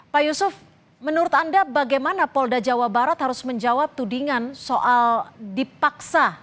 pak yusuf menurut anda bagaimana polda jawa barat harus menjawab tudingan soal dipaksa